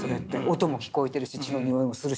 音も聞こえてるし血のにおいもするしっていう。